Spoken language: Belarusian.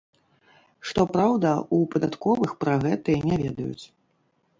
Што праўда, у падатковых пра гэтае не ведаюць.